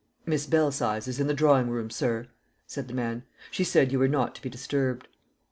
"Miss Belsize is in the drawing room, sir," said the man. "She said you were not to be disturbed."